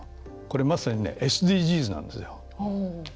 これ、まさにＳＤＧｓなんですよ。